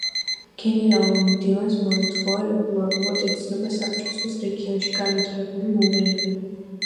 გენერალურ მდივანს მოეთხოვა რეგულარულად ეცნობა საბჭოსთვის, რეგიონში განვითარებული მოვლენები.